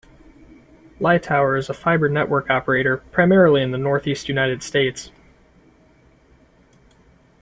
Lightower is a fiber network operator primarily in the northeast United States.